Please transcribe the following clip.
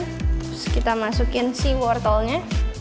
terus kita masukin si wortel nya